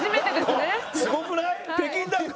すごくない？